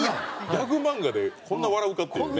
ギャグ漫画でこんな笑うかっていうね。